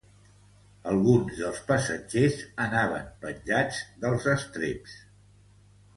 Alguns dels passatgers anaven penjats dels estreps.